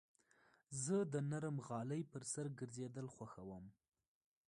زه د نرم غالۍ پر سر ګرځېدل خوښوم.